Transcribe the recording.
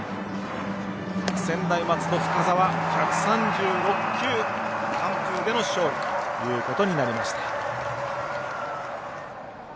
専大松戸の深沢１３６球、完封での勝利ということになりました。